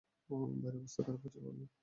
বাইরের অবস্থা খারাপ হচ্ছে, পাপি।